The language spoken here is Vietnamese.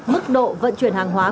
mức độ vận chuyển hàng hóa